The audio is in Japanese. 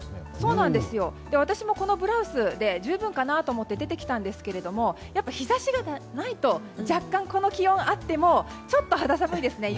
私も、このブラウスで十分かなと思って出てきたんですがやっぱり日差しがないと若干、この気温があってもちょっと肌寒いですね。